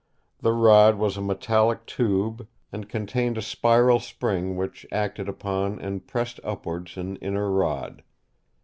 The rod was a metallic tube, and contained a spiral spring which acted upon and pressed upwards an inner rod.